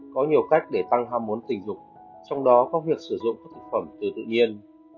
có nhiều cách để tăng ham muốn tình dục trong đó có việc sử dụng các thực phẩm từ tự nhiên